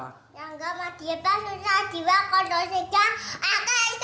rangga madiba sutrajiwa kordosega